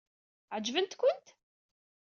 Ɛeǧbent-kent?